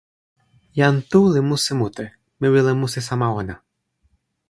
jan Tu li musi mute. mi wile musi sama ona.